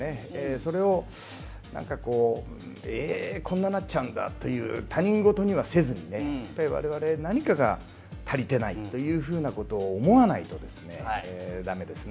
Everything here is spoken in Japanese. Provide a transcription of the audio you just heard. それを、えー、こんなになっちゃうんだと他人事にはせずに我々、何かが足りていないということを思わないと駄目ですね。